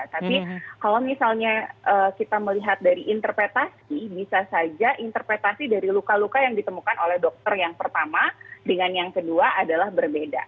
tapi kalau misalnya kita melihat dari interpretasi bisa saja interpretasi dari luka luka yang ditemukan oleh dokter yang pertama dengan yang kedua adalah berbeda